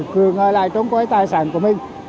cũng từ trống cối tài sản của mình